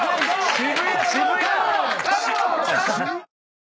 渋谷！